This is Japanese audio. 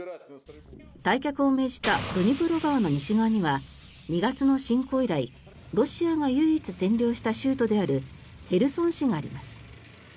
退却を命じたドニプロ川の西側には２月の侵攻以来ロシアが唯一占領した州都であるヘルソン市があります。